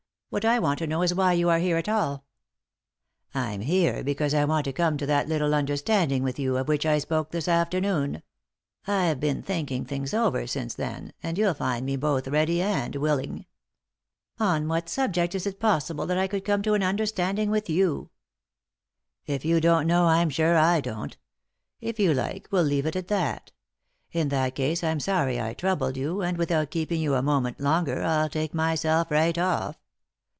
What I want to know is why you are here at all ?"" I'm here because I want to come to that little understanding with you of which I spoke this after noon. I've been thinking things over since then, and you'll find me both ready and willing." " On what subject is it possible that I could come to an understanding with you ?" 1 68 3i 9 iii^d by Google THE INTERRUPTED KISS " If you don't know I'm sure I don't ; if you like veil leave it at that. In that case I'm sorry I troubled you, and without keeping you a moment longer, I'll take myself right off.